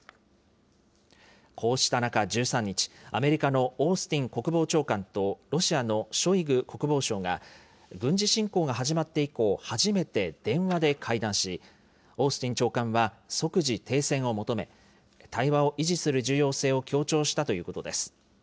こうした中、１３日、アメリカのオースティン国防長官とロシアのショイグ国防相が、軍事侵攻が始まって以降、初めて電話で会談し、オースティン長官は、即時停戦を求め、対話を維持する重要性を強調したということです。